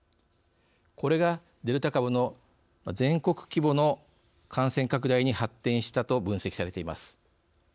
これが、デルタ株の全国規模の感染拡大に発展したと分析されています。